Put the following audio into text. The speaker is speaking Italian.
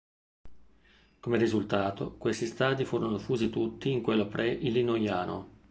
Come risultato, questi stadi furono fusi tutti in quello Pre-Illinoiano.